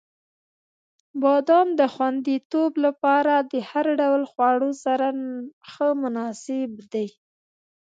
• بادام د خوندیتوب لپاره د هر ډول خواړو سره ښه مناسب دی.